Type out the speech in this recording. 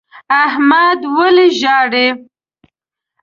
احمد ولي ژاړي؟